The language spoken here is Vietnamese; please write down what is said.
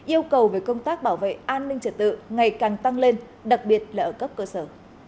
yêu cầu về công tác bảo vệ an ninh trật tự ngày càng tăng lên đặc biệt là ở cấp cơ sở